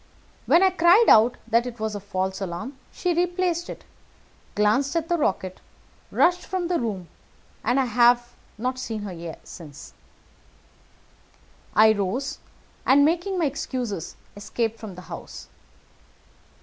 When I cried out that it was a false alarm, she replaced it, glanced at the rocket, rushed from the room, and I have not seen her since. I rose, and, making my excuses, escaped from the house.